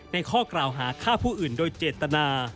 ข้อกล่าวหาฆ่าผู้อื่นโดยเจตนา